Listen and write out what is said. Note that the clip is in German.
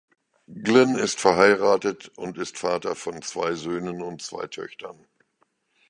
Glynn ist verheiratet und ist Vater von zwei Söhnen und zwei Töchtern.